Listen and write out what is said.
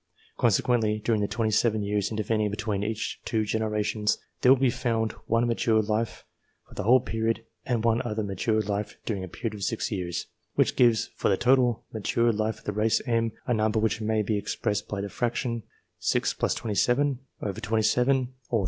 Consequently, during the 27 years intervening between each two generations, there will be found one mature life for the whole period and one other mature life during a period of 6 years, which gives for the total mature life of the race M, a number which may be expressed by the fraction J T 2 7 , or ff.